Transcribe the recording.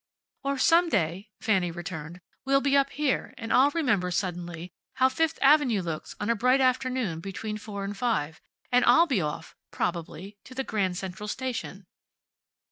"Or some day," Fanny returned, "we'll be up here, and I'll remember, suddenly, how Fifth Avenue looks on a bright afternoon between four and five. And I'll be off, probably, to the Grand Central station."